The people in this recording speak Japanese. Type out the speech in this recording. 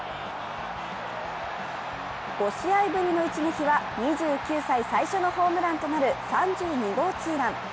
５試合ぶりの一撃は、２９歳最初のホームランとなる３２号ツーラン。